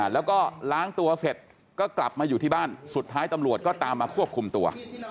แล้วก็ล้างตัวเสร็จก็กลับมาอยู่ที่บ้านสุดท้ายตำรวจก็ตามมาควบคุมตัว